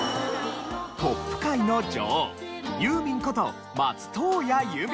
ポップ界の女王ユーミンこと松任谷由実。